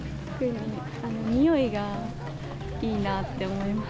匂いがいいなって思います。